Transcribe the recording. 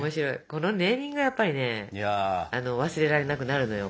このネーミングがやっぱりね忘れられなくなるのよ。